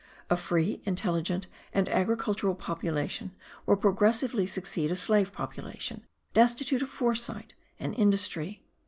A free, intelligent and agricultural population will progressively succeed a slave population, destitute of foresight and industry.